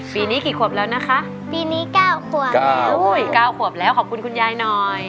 ปีนี้กี่ขวบแล้วนะคะปีนี้เก้าขวบเก้าขวบแล้วขอบคุณคุณยายหน่อย